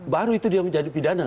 baru itu dia menjadi pidana